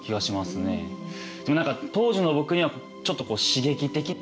でも何か当時の僕にはちょっとこう刺激的っていう絵。